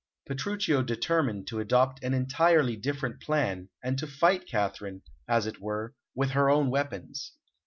Petruchio determined to adopt an entirely different plan, and to fight Katharine, as it were, with her own weapons.